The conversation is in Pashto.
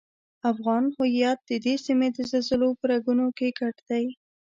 افغان هویت ددې سیمې د زلزلو په رګونو کې ګډ دی.